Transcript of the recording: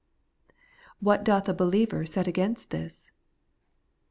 What doth a believer set against this